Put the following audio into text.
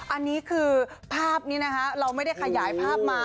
อันนี้คือภาพนี้นะคะเราไม่ได้ขยายภาพมา